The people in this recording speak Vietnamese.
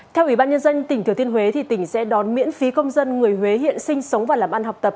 theo ủy ban nhân dân tp hcm tỉnh sẽ đón miễn phí công dân người huế hiện sinh sống và làm ăn học tập